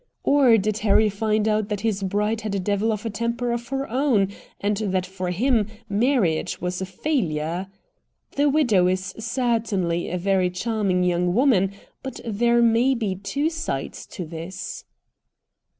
Or did Harry find out that his bride had a devil of a temper of her own, and that for him marriage was a failure? The widow is certainly a very charming young woman, but there may be two sides to this."